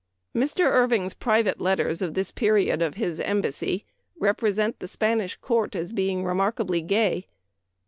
Mr. Irving's private letters of this period of his Embassy represent the Spanish court as being remarkably gay.